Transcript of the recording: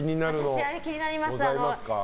私、あれ気になります。